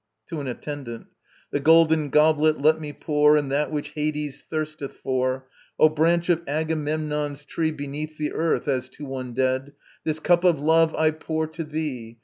To an ATTENDANT. The golden goblet let me pour, And that which Hades thirsteth for. O branch of Agamemnon's tree Beneath the earth, as to one dead, This cup of love I pour to thee.